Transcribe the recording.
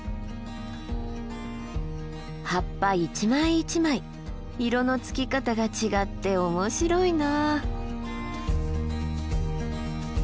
葉っぱ一枚一枚色のつき方が違って面白いな。